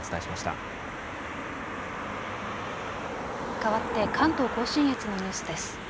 かわって関東甲信越のニュースです。